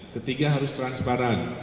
ketiga harus transparan